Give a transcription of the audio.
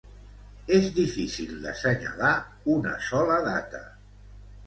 És difícil d’assenyalar una sola data.